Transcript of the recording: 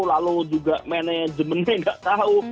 lalu juga manajemennya nggak tahu